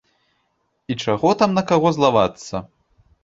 І чаго там на каго злавацца?